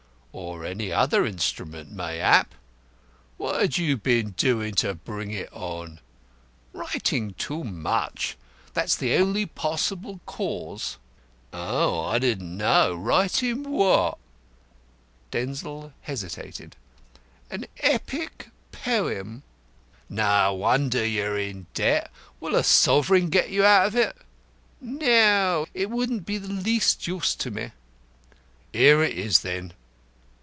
"Or any other instrument, mayhap. What had you been doing to bring it on?" "Writing too much. That is the only possible cause." "Oh! I didn't know. Writing what?" Denzil hesitated. "An epic poem." "No wonder you're in debt. Will a sovereign get you out of it?" "No; it wouldn't be the least use to me." "Here it is, then."